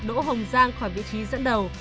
đỗ hồng giang khỏi vị trí dẫn đầu